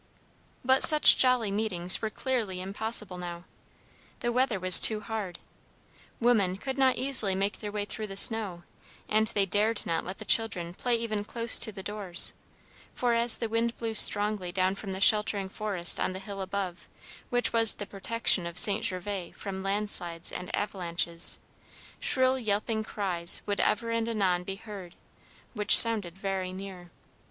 But such jolly meetings were clearly impossible now. The weather was too hard. Women could not easily make their way through the snow, and they dared not let the children play even close to the doors; for as the wind blew strongly down from the sheltering forest on the hill above, which was the protection of St. Gervas from landslides and avalanches, shrill yelping cries would ever and anon be heard, which sounded very near.